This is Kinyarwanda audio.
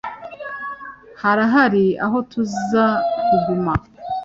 harahari aho tuza kuguma